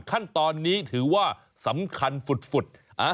ขั้นตอนนี้ถือว่าสำคัญฝุด